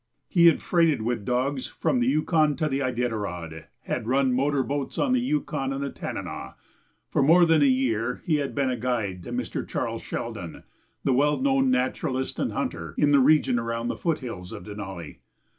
He had freighted with dogs from the Yukon to the Iditarod, had run motor boats on the Yukon and the Tanana. For more than a year he had been guide to Mr. Charles Sheldon, the well known naturalist and hunter, in the region around the foot hills of Denali.